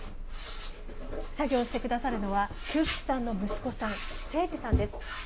作業して下さるのは久吉さんの息子さん清二さんです。